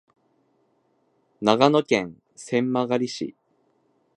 長野県千曲市